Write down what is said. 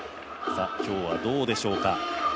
今日はどうでしょうか。